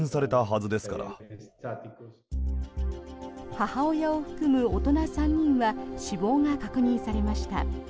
母親を含む大人３人は死亡が確認されました。